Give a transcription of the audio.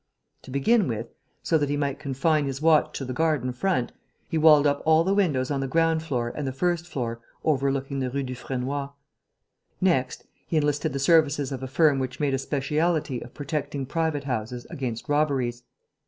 To begin with, so that he might confine his watch to the garden front, he walled up all the windows on the ground floor and the first floor overlooking the Rue Dufresnoy. Next, he enlisted the services of a firm which made a speciality of protecting private houses against robberies.